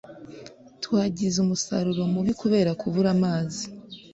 twagize umusaruro mubi kubera kubura amazi